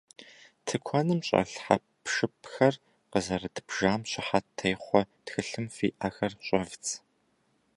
Тыкуэным щӏэлъ хьэпшыпхэр къызэрыдбжам щыхьэт техъуэ тхылъым фи ӏэхэр щӏэвдз.